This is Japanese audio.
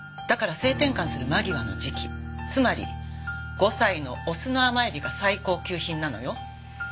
「だから性転換する間際の時期つまり５歳のオスの甘エビが最高級品なのよ」